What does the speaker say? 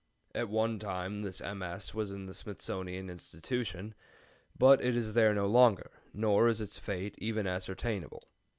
At one time this MS. was in the Smithsonian Institution, but it is there no longer, nor is its fate even ascertainable.